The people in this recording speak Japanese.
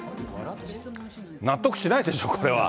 納得しないでしょう、これは。